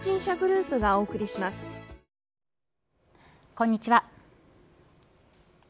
こんにちは。